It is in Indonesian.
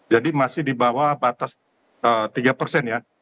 jadi masih di bawah batas tiga ya